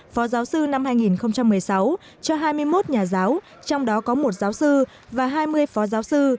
phó giáo sư năm hai nghìn một mươi sáu cho hai mươi một nhà giáo trong đó có một giáo sư và hai mươi phó giáo sư